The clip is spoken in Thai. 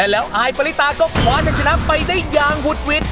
แล้วอายปลิตาก็ขวางให้ชนะไปได้ยาวหุดหวิด